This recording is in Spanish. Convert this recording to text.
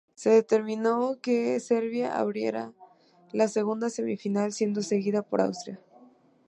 Se determinó que Serbia abriera la segunda semifinal, siendo seguida por Austria.